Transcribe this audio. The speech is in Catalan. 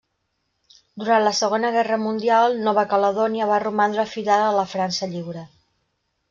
Durant la Segona Guerra Mundial Nova Caledònia va romandre fidel a la França Lliure.